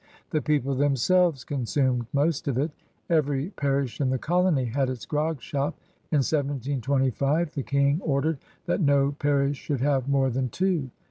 The people themselves consumed most of it. Every parish in the colony had its grog shop; in 1725 the King ordered that no parish should have more than two.